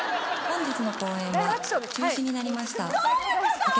本日の公演は中止になりましたどういうこと？